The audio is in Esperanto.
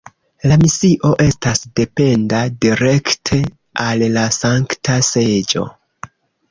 La misio estas dependa direkte al la Sankta Seĝo.